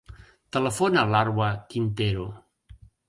Telefona a l'Arwa Quintero.